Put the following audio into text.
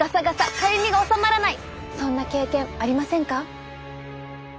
そんな経験ありませんか？